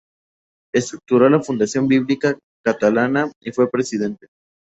Estructuró la Fundación Bíblica Catalana y fue presidente.